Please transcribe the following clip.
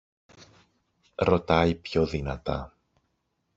Ρωτάει πιο δυνατά